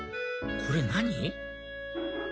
これ何？